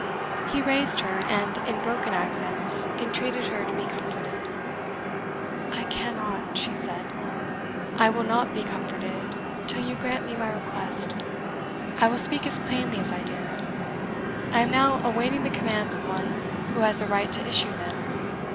He raised her, and, in broken accents, entreated her to be comforted. "I cannot," she said, "I will not be comforted, till you grant me my request! I will speak as plainly as I dare. I am now awaiting the commands of one who has a right to issue them.